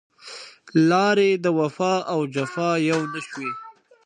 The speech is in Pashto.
لارې د وفا او جفا يو نه شوې